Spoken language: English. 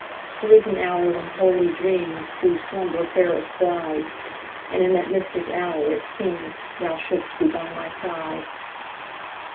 There is an hour when holy dreamsThrough slumber fairest glide; And in that mystic hour it seemsThou shouldst be by my side.